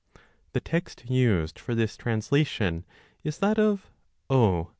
The text used for this translation is that of O.